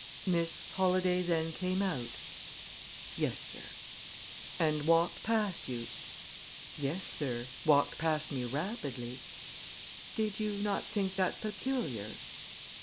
"Miss Holladay then came out?" "Yes, sir." "And walked past you?" "Yes, sir; walked past me rapidly." "Did you not think that peculiar?"